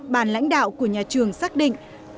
bàn lãnh đạo của nhà trường xác định là